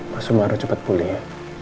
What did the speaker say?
mas sumaro cepet pulih ya